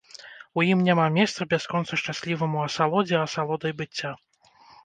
У ім няма месца бясконца шчасліваму асалодзе асалодай быцця.